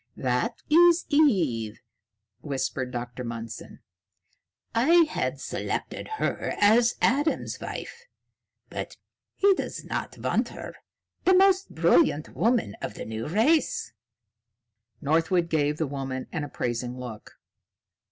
"That is Eve," whispered Dr. Mundson. "I had selected her as Adam's wife. But he does not want her, the most brilliant woman of the New Race." Northwood gave the woman an appraising look.